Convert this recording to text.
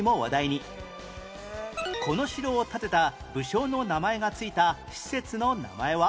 この城を建てた武将の名前が付いた施設の名前は？